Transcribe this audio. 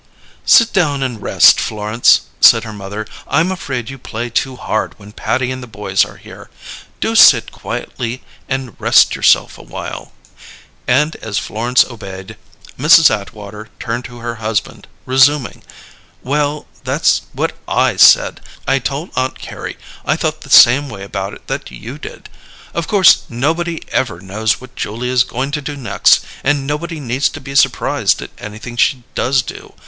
"Sit down and rest, Florence," said her mother. "I'm afraid you play too hard when Patty and the boys are here. Do sit down quietly and rest yourself a little while." And as Florence obeyed, Mrs. Atwater turned to her husband, resuming: "Well, that's what I said. I told Aunt Carrie I thought the same way about it that you did. Of course nobody ever knows what Julia's going to do next, and nobody needs to be surprised at anything she does do.